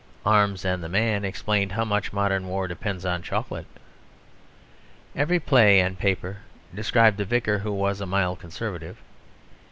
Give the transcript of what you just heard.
Arms and the Man explained how much modern war depends on chocolate. Every play and paper described the Vicar who was a mild Conservative.